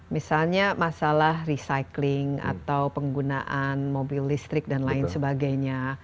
misalnya masalah recycling atau penggunaan mobil listrik dan lain sebagainya